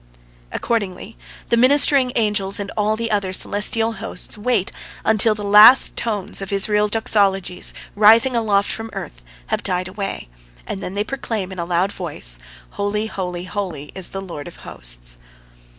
Accordingly, the ministering angels and all the other celestial hosts wait until the last tones of Israel's doxologies rising aloft from earth have died away, and then they proclaim in a loud voice, "Holy, holy, holy, is the Lord of hosts."